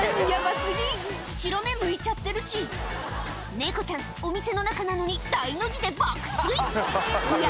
過ぎ白目むいちゃってるし猫ちゃんお店の中なのに大の字で爆睡いや